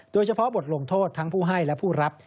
โดยเฉพาะบทลงโทษทั้งผู้ให้และผู้รับ